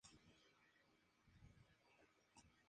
El papel del profesor en el proceso se reduce con el tiempo.